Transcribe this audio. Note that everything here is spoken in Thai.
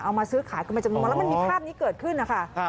เอามาซื้อขายกันมาจากมือแล้วมันมีภาพนี้เกิดขึ้นนะคะ